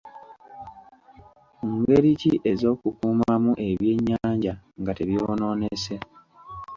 Ngeri ki ez'okukuumamu ebyennyanja nga tebyonoonese?